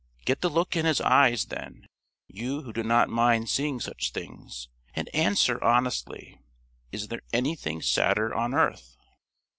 Get the look in his eyes, then you who do not mind seeing such things and answer, honestly: Is there anything sadder on earth?